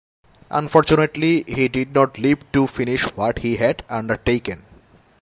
Unfortunately, he did not live to finish what he had undertaken.